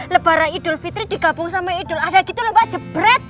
lebara idul fitri digabung sama idul adagitu mbak jebret